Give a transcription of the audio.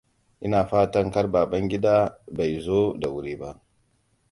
Ina fatan kar Babangida bai zo da wuri ba.